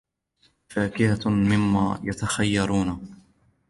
وَفَاكِهَةٍ مِمَّا يَتَخَيَّرُونَ